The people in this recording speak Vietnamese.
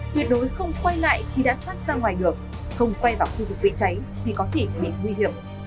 tuyệt đối không quay lại khi đã thoát ra ngoài được không quay vào khu vực bị cháy thì có thể bị nguy hiểm